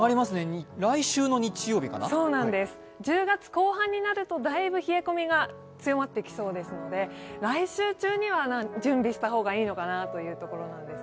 １０月後半になるとだいぶ冷え込みが強まってきそうですので、来週中には準備した方がいいのかなという感じです。